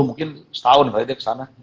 mungkin setahun kali dia kesana